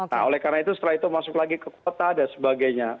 nah oleh karena itu setelah itu masuk lagi ke kota dan sebagainya